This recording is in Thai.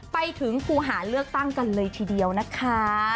ไปถึงคู่หาเลือกตั้งกันเลยทีเดียวนะคะ